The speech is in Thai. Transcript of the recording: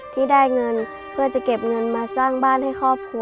ที่ได้เงินเพื่อจะเก็บเงินมาสร้างบ้านให้ครอบครัว